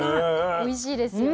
おいしいですよね。